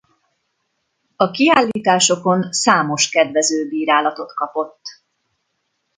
A kiállításokon számos kedvező bírálatot kapott.